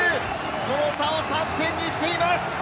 その差を３点にしています！